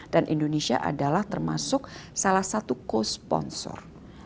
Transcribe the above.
dan indonesia adalah termasuk salah satu co sponsor